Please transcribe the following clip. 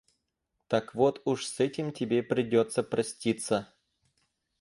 Так вот уж с этим тебе придётся проститься.